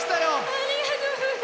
ありがとうございます。